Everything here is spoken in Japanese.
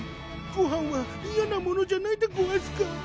ごはんは嫌なものじゃないでごわすか？